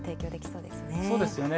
そうですよね。